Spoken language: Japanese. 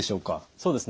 そうですね。